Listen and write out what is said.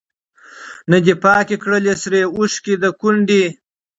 نه دي پاکي کړلې سرې اوښکي د کونډي